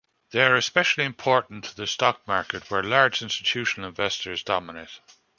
They are especially important to the stock market where large institutional investors dominate.